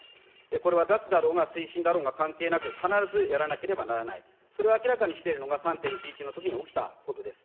これは脱だろうが推進だろうが関係なく、必ずやらなければならない、それを明らかにしているのが、３・１１のときに起きたことです。